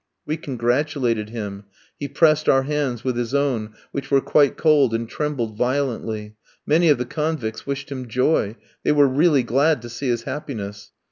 We congratulated him. He pressed our hands with his own, which were quite cold, and trembled violently. Many of the convicts wished him joy; they were really glad to see his happiness.